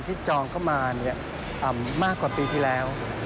จองเข้ามามากกว่าปีที่แล้ว